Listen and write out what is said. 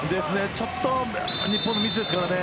ちょっと日本のミスですからね。